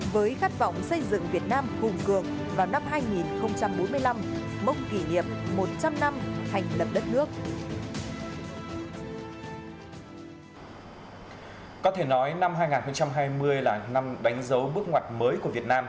với khát vọng xây dựng một nước tương lai